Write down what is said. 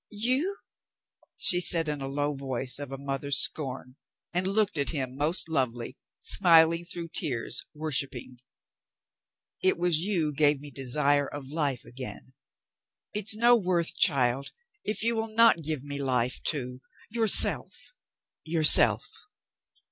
"You !" she said in a low voice of a mother's scorn, and looked at him most lovely, smiling through tears, worshipping. "It was you gave mc desire of life again. It's no worth, child, if you'll not give me life, too — yourself — yourself."